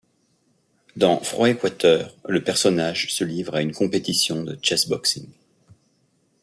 Dans Froid Équateur, le personnage se livre à une compétition de chessboxing.